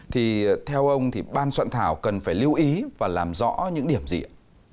thì theo ông thì ban soạn thảo cần phải lưu ý và làm rõ những điểm gì ạ